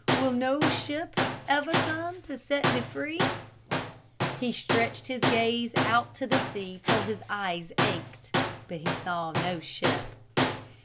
Will no ship ever come to set me free?" He stretched his gaze out to the sea till his eyes ached, but he saw no ship.